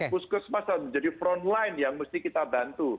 puskesmas harus menjadi front line yang mesti kita bantu